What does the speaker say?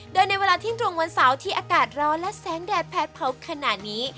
โดยในเวลาเที่ยงตรงวันเสาร์ที่อากาศร้อนและแสงแดดแพ้เผาขนาดนี้